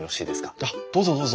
あっどうぞどうぞ。